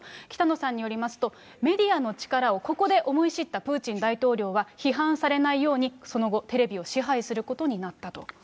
北野さんによりますと、メディアの力をここで思い知ったプーチン大統領は、批判されないように、その後、テレビを支配することになったと。